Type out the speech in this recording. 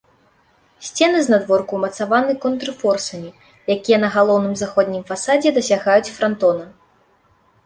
Сцены знадворку ўмацаваны контрфорсамі, якія на галоўным заходнім фасадзе дасягаюць франтона.